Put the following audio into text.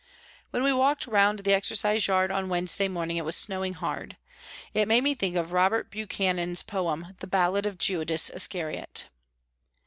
When we walked round the exercise yard on Wednesday morning it was snowing hard. It made me think of Robert Buchanan's poem, " The Ballade of Judas Iscariot."